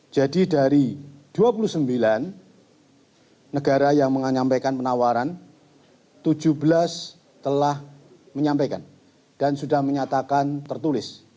jadi dari dua puluh sembilan negara yang menyampaikan penawaran tujuh belas telah menyampaikan dan sudah menyatakan tertulis